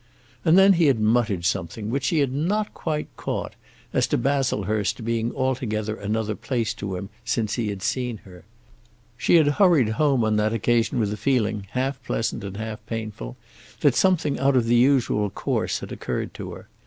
And then he had muttered something, which she had not quite caught, as to Baslehurst being altogether another place to him since he had seen her. She had hurried home on that occasion with a feeling, half pleasant and half painful, that something out of the usual course had occurred to her.